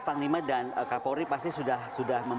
pak lima dan kak kory pasti sudah